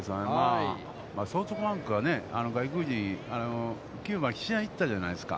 ソフトバンクがね外国人、キューバに試合に行ったじゃないですか。